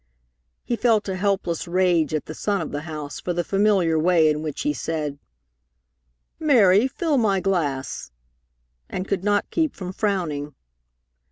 He felt a helpless rage at the son of the house for the familiar way in which he said: "Mary, fill my glass," and could not keep from frowning.